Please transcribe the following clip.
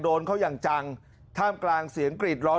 โดนเขาอย่างจังท่ามกลางเสียงกรีดร้อน